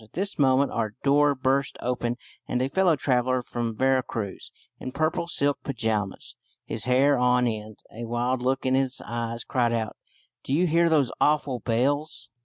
At this moment our door burst open, and a fellow traveller from Vera Cruz, in purple silk pyjamas, his hair on end, a wild look in his eyes, cried out, "Do you hear those awful bells?"